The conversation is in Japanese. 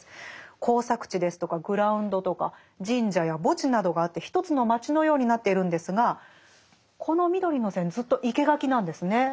耕作地ですとかグラウンドとか神社や墓地などがあって一つの街のようになっているんですがこの緑の線ずっと生け垣なんですね。